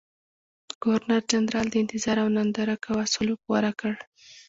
ګورنرجنرال د انتظار او ننداره کوه سلوک غوره کړ.